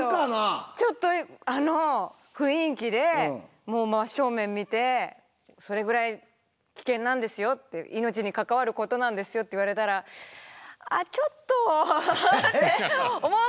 ちょっとあの雰囲気で真っ正面見て「それぐらい危険なんですよ」って「命に関わることなんですよ」って言われたら「あっちょっと」って思う方１人ぐらいいるかと思うんですけど。